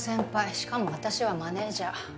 しかも私はマネージャー。